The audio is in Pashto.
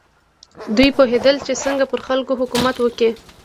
دوی پوهېدل چې څنګه پر خلکو حکومت وکړي.